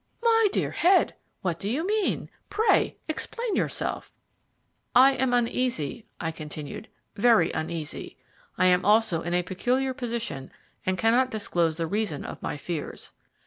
"My dear Head, what do you mean? Pray explain yourself." "I am uneasy," I continued, "very uneasy. I am also in a peculiar position, and cannot disclose the reason of my fears.